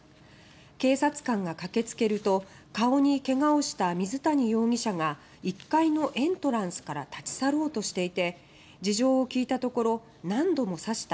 警察官が駆け付けると顔にけがをした水谷容疑者が１階のエントランスから立ち去ろうとしていて事情を聴いたところ「何度も刺した。